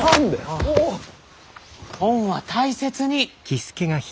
本は大切に！